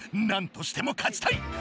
なんとしても勝ちたい！